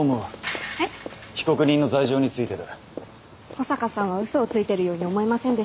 保坂さんはうそをついてるように思えませんでした。